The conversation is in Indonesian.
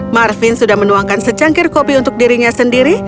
marvin sudah menuangkan secangkir kopi untuk dirinya sendiri